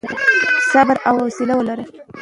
صبر او حوصله ولرئ.